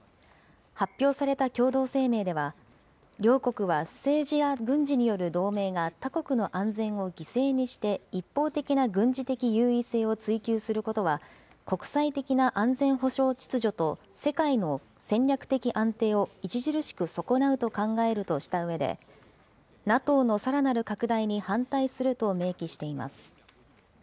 発表された共同声明では、両国は政治や軍事による同盟が他国の安全を犠牲にして、一方的な軍事的優位性を追求することは、国際的な安全保障秩序と、世界の戦略的安定を著しく損なうと考えるとしたうえで、ＮＡＴＯのさらなる拡大に反対すると明記しています。